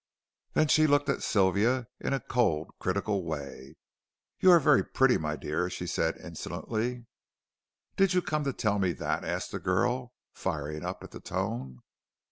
Then she looked at Sylvia, in a cold, critical way. "You are very pretty, my dear," she said insolently. "Did you come to tell me that?" asked the girl, firing up at the tone.